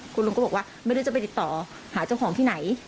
คุณลุงก็บอกว่าไม่รู้จะไปติดต่อหาเจ้าของที่ไหน